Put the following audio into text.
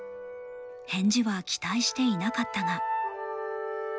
返事は期待していなかったが。